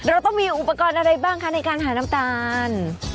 เราต้องมีอุปกรณ์อะไรบ้างคะในการหาน้ำตาล